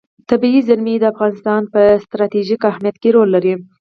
طبیعي زیرمې د افغانستان په ستراتیژیک اهمیت کې رول لري.